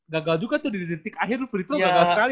gagal juga tuh di detik akhir lu free throw gagal sekali tuh